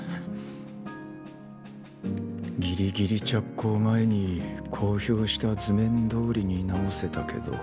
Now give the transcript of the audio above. ギリギリ着工前に公表した図面どおりに直せたけど。